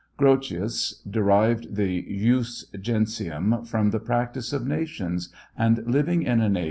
Grotius derived the jus gentium from the practice of nations, and living in an ag?